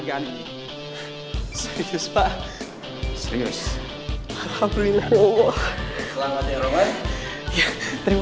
bukan itu masalah buat dia